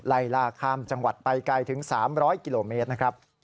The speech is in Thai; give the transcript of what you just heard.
ไล่ล่าข้ามจังหวัดไปไกลถึง๓๐๐กิโลเมตรนะครับ